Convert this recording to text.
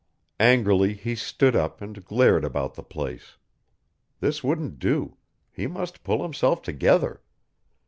Angrily he stood up and glared about the place. This wouldn't do; he must pull himself together.